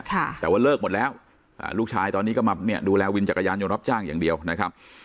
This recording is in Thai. แต่ว่าเลิกหมดแล้วอ่าลูกชายตอนนี้ก็มาเนี่ยดูแลวินจักรยานยนต์รับจ้างอย่างเดียวนะครับ